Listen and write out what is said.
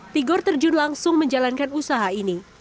tigor terjun langsung menjalankan usaha ini